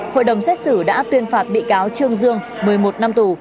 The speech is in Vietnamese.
hội đồng xét xử đã tuyên phạt bị cáo trương dương một mươi một năm tù